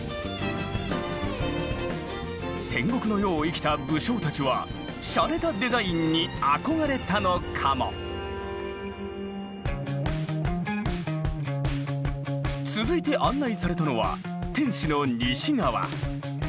戦国の世を生きた武将たちはしゃれたデザインに憧れたのかも⁉続いて案内されたのは天守の西側。